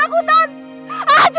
hakimnya ada ada saja